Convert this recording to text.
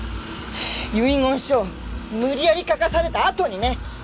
遺言書を無理やり書かされたあとにね。